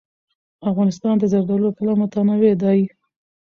افغانستان د زردالو له پلوه متنوع دی.